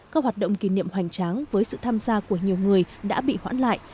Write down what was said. các hoạt động kỷ niệm hoành tráng với sự tham gia của nhiều người đã bị hoãn lại